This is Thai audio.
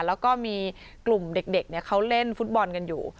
แล้วก็มีกลุ่มเด็กเขาเล่นฟุตบอลกันอยู่